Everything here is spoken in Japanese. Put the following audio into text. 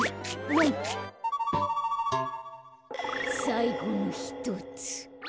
さいごのひとつ。